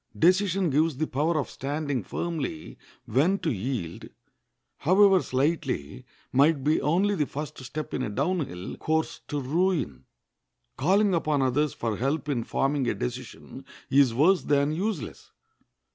Decision gives the power of standing firmly when to yield, however slightly, might be only the first step in a down hill course to ruin. Calling upon others for help in forming a decision is worse than useless.